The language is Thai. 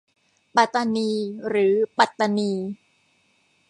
ปาตานีหรือปัตตานี